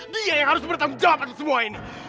dia yang harus bertanggung jawab semua ini